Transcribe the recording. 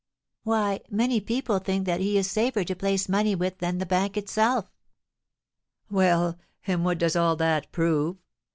Why, many people think that he is safer to place money with than the bank itself." "Well, and what does all that prove?